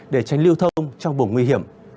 để tránh lưu thông trong vùng nguy hiểm